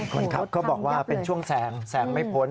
คนขับก็บอกว่าเป็นช่วงแซงแซงไม่พ้น